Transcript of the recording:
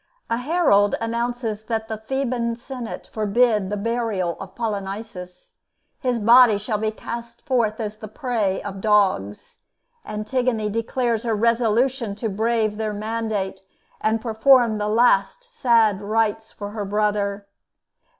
A herald announces that the Theban Senate forbid the burial of Polynices; his body shall be cast forth as prey of dogs. Antigone declares her resolution to brave their mandate, and perform the last sad rites for her brother.